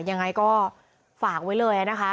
ยังไงก็ฝากไว้เลยนะคะ